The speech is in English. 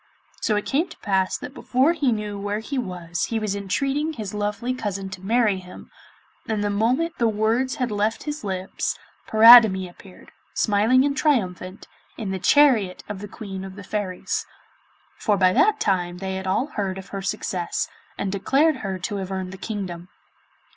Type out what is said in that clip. So it came to pass that before he knew where he was he was entreating his lovely cousin to marry him, and the moment the words had left his lips, Paridamie appeared, smiling and triumphant, in the chariot of the Queen of the Fairies, for by that time they had all heard of her success, and declared her to have earned the kingdom.